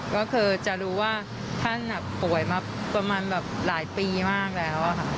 ก็คือจะรู้ว่าท่านป่วยมาประมาณแบบหลายปีมากแล้วค่ะ